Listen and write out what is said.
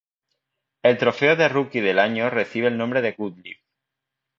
El trofeo de Rookie del Año recibe el nombre de Gottlieb.